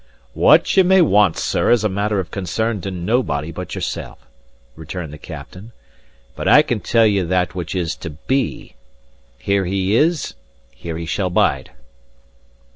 "What ye may want, sir, is a matter of concern to nobody but yoursel'," returned the captain; "but I can tell ye that which is to be. Here he is; here he shall bide."